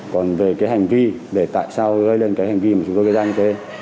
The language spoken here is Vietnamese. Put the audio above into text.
còn về cái hành vi để tại sao gây lên cái hành vi mà chúng tôi gây ra như thế